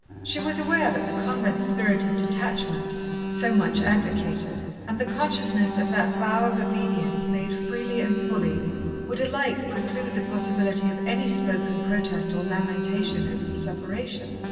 She was aware that the convent spirit of detachment, so much advocated, and the consciousness of that vow of obedience made freely and fully, would alike preclude the possibility of any spoken protest or lamentation over the separation.